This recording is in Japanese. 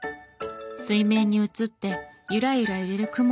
水面に映ってゆらゆら揺れる雲。